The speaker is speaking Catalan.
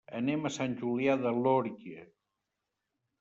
Anem a Sant Julià de Lòria.